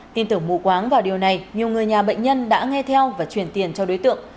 tin tưởng mù quáng vào điều này nhiều người nhà bệnh nhân đã nghe theo và chuyển tiền cho đối tượng